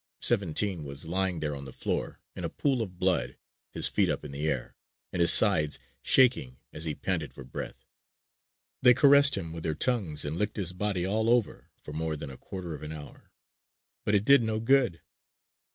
"Seventeen" was lying there on the floor in a pool of blood, his feet up in the air, and his sides shaking as he panted for breath. They caressed him with their tongues and licked his body all over for more than a quarter of an hour. But it did no good.